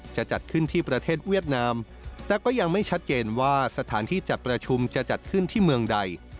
จะจัดขึ้นที่ประเทศเวียดนามแต่ก็ยังไม่ชัดเจนว่าสถานที่จัดประชุมจะจัดขึ้นที่เมืองใด